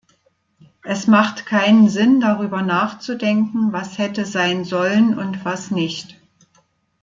Es macht keinen Sinn, darüber nachzudenken, was hätte sein sollen und was nicht.